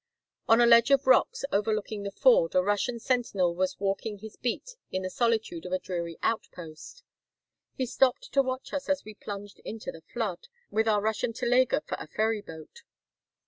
On a ledge of rocks overlooking the ford a Russian sentinel was walking his beat in the solitude of a dreary outpost. He stopped to watch us as we plunged into the flood, with our Russian telega for a ferry boat.